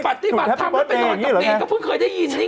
สุดท้ายประวัติธรรมแล้วไปนอนที่เมนก็เพิ่งเคยได้ยิน